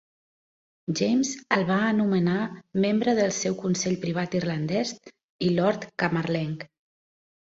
James el va nomenar membre del seu Consell privat irlandès i lord camarlenc.